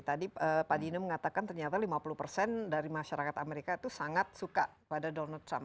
tadi pak dino mengatakan ternyata lima puluh persen dari masyarakat amerika itu sangat suka pada donald trump